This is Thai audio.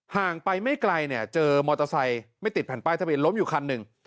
ห่างไปไม่ไกลเนี่ยเจอมอเตอร์ไซค์ไม่ติดแผ่นป้ายทะเบียนล้มอยู่คันหนึ่ง